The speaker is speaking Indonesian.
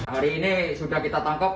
hari ini sudah kita tangkap